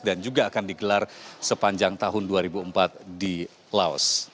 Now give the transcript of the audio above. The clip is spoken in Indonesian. dan juga akan digelar sepanjang tahun dua ribu empat di laos